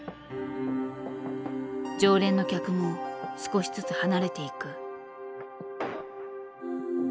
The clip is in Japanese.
常連の客も少しずつ離れていく。